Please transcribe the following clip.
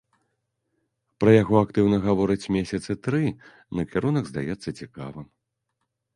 Пра яго актыўна гавораць месяцы тры, накірунак здаецца цікавым.